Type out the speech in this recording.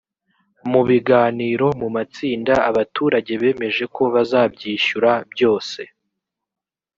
mu biganiro mu matsinda abaturage bemeje ko bazabyishyura byose